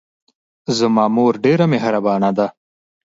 زما مور ډېره محربانه ده